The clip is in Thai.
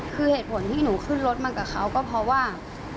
คือเหตุผลที่หนูขึ้นรถมากับเขาก็เพราะว่า